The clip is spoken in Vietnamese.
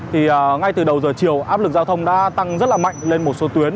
thì ngay từ đầu giờ chiều áp lực giao thông đã tăng rất là mạnh lên một số tuyến